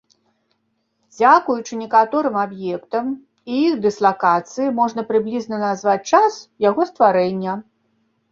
Дзякуючы некаторым аб'ектам і іх дыслакацыі можна прыблізна назваць час яго стварэння.